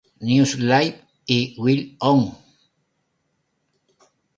News Live" y "Wild On!